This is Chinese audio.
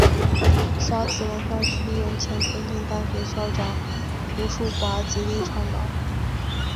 沙磁文化区由前重庆大学校长胡庶华极力倡导。